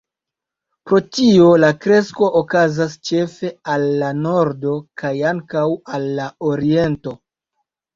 Pro tio la kresko okazas ĉefe al la nordo kaj ankaŭ al la oriento.